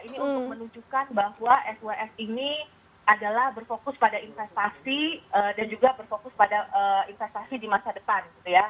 ini untuk menunjukkan bahwa swf ini adalah berfokus pada investasi dan juga berfokus pada investasi di masa depan